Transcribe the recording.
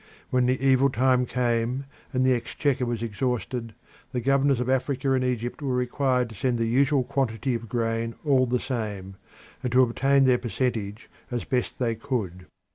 When the evil time came and the exchequer was exhausted, the governors of Africa and Egypt were required to send the usual quantity of grain all the same, and to obtain their percentage as best they could.